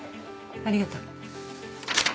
ありがとう。